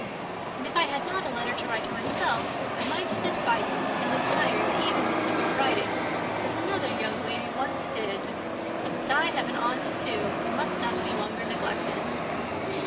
"And if I had not a letter to write myself, I might sit by you, and admire the evenness of your writing, as another young lady once did. But I have an aunt, too, who must not be longer neglected."